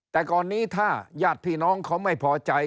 แต่ก่อนนี้ถ้าญาติพี่น้องเขาไม่พอใจ